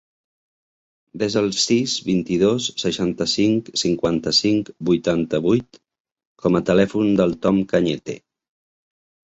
Desa el sis, vint-i-dos, seixanta-cinc, cinquanta-cinc, vuitanta-vuit com a telèfon del Tom Cañete.